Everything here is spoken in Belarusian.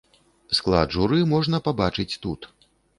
Склад журы можна пабачыць тут.